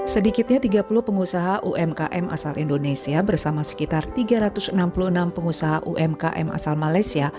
sedikitnya tiga puluh pengusaha umkm asal indonesia bersama sekitar tiga ratus enam puluh enam pengusaha umkm asal malaysia